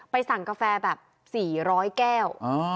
สั่งกาแฟแบบ๔๐๐แก้ว